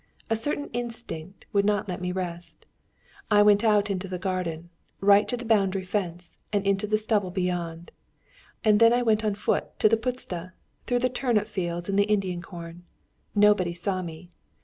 A certain instinct would not let me rest. I went out into the garden, right to the boundary fence and into the stubble beyond, and then I went on foot into the puszta, through the turnip fields and the Indian corn. Nobody saw me.